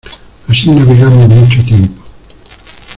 así navegamos mucho tiempo.